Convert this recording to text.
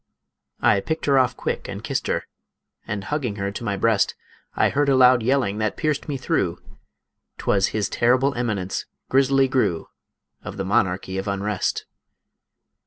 I picked her off quick and kissed her, And, hugging her to my breast, I heard a loud yelling that pierced me through, 'Twas His Terrible Eminence, Grizzly Gru, Of the Monarchy of Unrest.